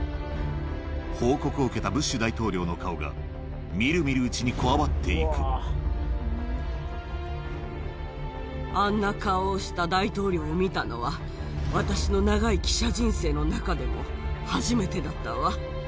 報告を受けたブッシュ大統領の顔が、みるみるうちにこわばっていあんな顔をした大統領を見たのは、私の長い記者人生の中でも初めてだったわ。